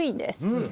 うん。